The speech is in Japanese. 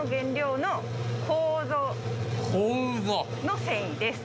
楮？の繊維です。